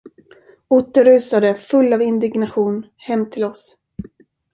Otto rusade full av indignation hem till oss.